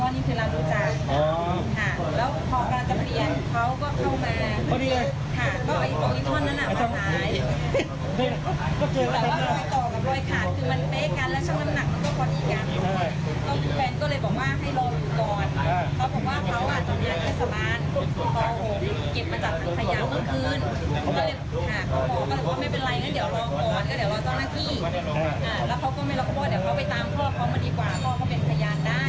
นี่เลยก็แน่นะครับจังเลย